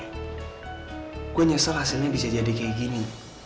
aku nyesel hasilnya bisa jadi kayak gini